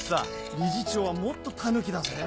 理事長はもっとタヌキだぜ。